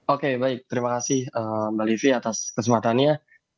oke baik terima kasih mbak livi atas kesempatannya